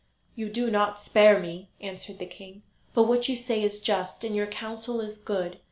"You do not spare me," answered the king; "but what you say is just, and your counsel is good.